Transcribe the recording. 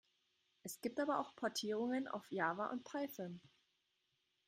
Es gibt aber auch Portierungen auf Java und Python.